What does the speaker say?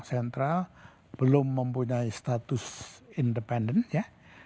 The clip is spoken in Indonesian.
bank central belum mempunyai status independen ya